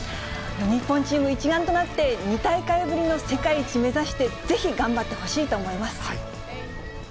日本チーム一丸となって、２大会ぶりの世界一目指してぜひ頑張ってほしいと思います。